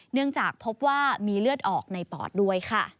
เนื่องจากพบว่ามีเลือดออกในปอดด้วยค่ะ